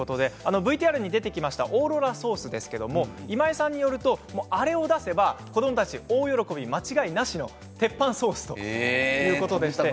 ＶＴＲに出てきたオーロラソースは今井さんによるとあれを出せば子どもたち、大喜び間違いなしの鉄板ソースなんだそうです。